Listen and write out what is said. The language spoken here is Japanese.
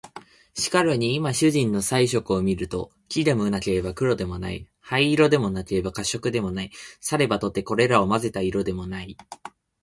しかるに今主人の彩色を見ると、黄でもなければ黒でもない、灰色でもなければ褐色でもない、さればとてこれらを交ぜた色でもない